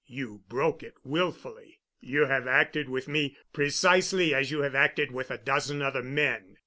You broke it wilfully. You have acted with me precisely as you have acted with a dozen other men.